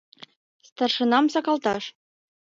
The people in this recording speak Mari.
— Старшинам сакалташ!